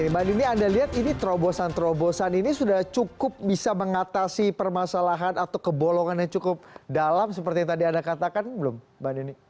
mbak nini anda lihat ini terobosan terobosan ini sudah cukup bisa mengatasi permasalahan atau kebolongannya cukup dalam seperti yang tadi anda katakan belum mbak nini